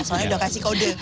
soalnya udah kasih kode